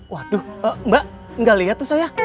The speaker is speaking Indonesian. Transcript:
waduh mbak gak liat tuh soya